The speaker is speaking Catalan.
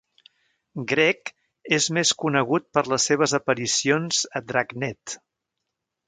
Gregg es més conegut per les seves aparicions a "Dragnet".